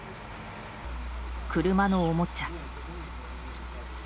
車のおもちゃ。